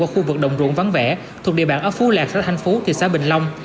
ở khu vực đồng ruộng vắng vẻ thuộc địa bàn ở phú lạc xã thanh phú thị xã bình long